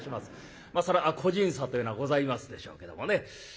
そら個人差というのはございますでしょうけどもね。